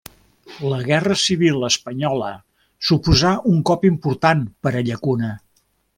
La guerra civil espanyola suposà un cop important per a Llacuna.